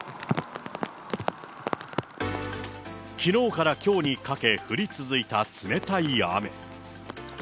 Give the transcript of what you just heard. きのうからきょうにかけ降り続いた冷たい雨。